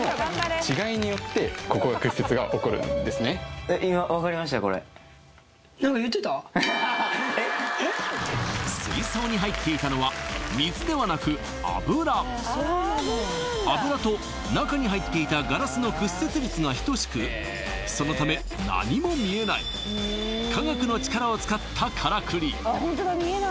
ええ見えなかったこれ実は水槽に入っていたのは油と中に入っていたガラスの屈折率が等しくそのため何も見えない科学の力を使ったからくり